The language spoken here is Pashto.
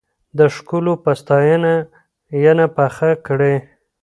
د ښکلو په ستاينه، ينه پخه کړې